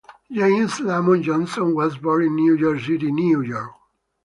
James LaMont Johnson was born in New York City, New York.